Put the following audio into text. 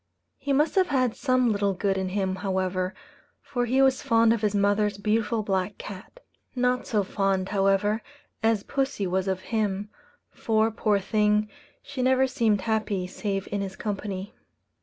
He must have had some little good in him however, for he was fond of his mother's beautiful black cat. Not so fond, however, as pussy was of him; for, poor thing, she never seemed happy save in his company.